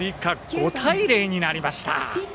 ５対０になりました。